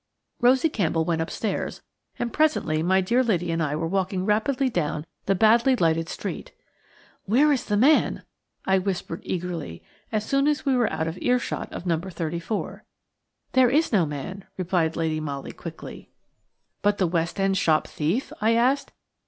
Rosie Campbell went upstairs, and presently my dear lady and I were walking rapidly down the badly lighted street. "Where is the man?" I whispered eagerly as soon as we were out of earshot of No. 34. "There is no man," replied Lady Molly, quickly. "But the West End shop thief?" I asked.